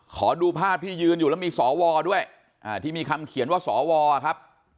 ขอดูภาพที่ยืนอยู่แล้วมีสวด้วยที่มีคำเขียนว่าสวครับ